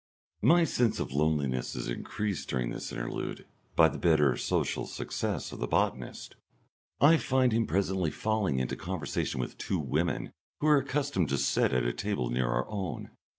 My sense of loneliness is increased during this interlude by the better social success of the botanist. I find him presently falling into conversation with two women who are accustomed to sit at a table near our own.